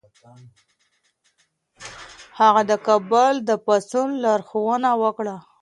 هغه د کابل د پاڅون لارښوونه وکړه.